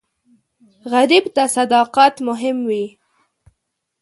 غریب ته صداقت مهم وي